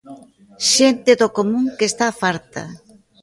Xente do común que está farta.